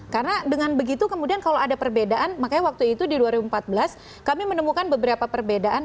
karena dengan begitu kemudian kalau ada perbedaan makanya waktu itu di dua ribu empat belas kami menemukan beberapa perbedaan